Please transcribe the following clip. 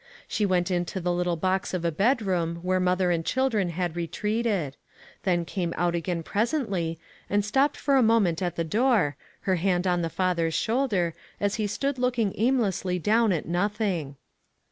She went into the little box of a bedroom where mother and children had retreated. Then came out again presently, and stopped for a moment at the door, her hand on the fath er's shoulder, as he stood looking aimlessly down at nothing.